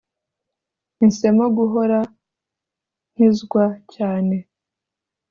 Mpisemo guhora nkizwa cyane,